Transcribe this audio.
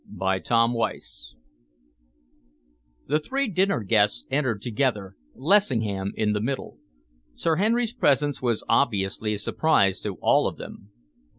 CHAPTER XII The three dinner guests entered together, Lessingham in the middle. Sir Henry's presence was obviously a surprise to all of them.